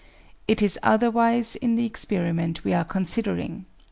It is otherwise in the experiment we are considering.